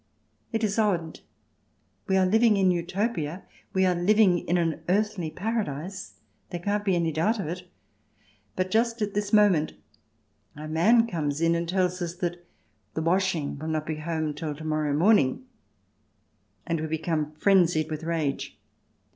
It is odd, we are living in Utopia ; we are living in an earthly paradise. There can't be any doubt about it. But just at this moment our man comes in and tells us that the washing will not be home till to morrow morning, and we become frenzied with rage.